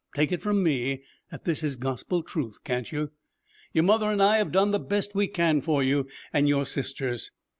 Take it from me that this is Gospel truth, can't you? Your mother and I have done the best we can for you and your sisters.